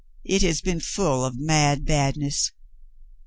It has been full of mad badness.